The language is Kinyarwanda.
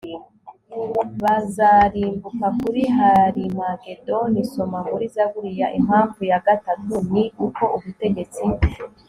bazarimbuka kuri harimagedoni “ soma muri zaburi ya, impamvu ya gatatu ni uko ubutegetsi